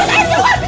keluar saya keluar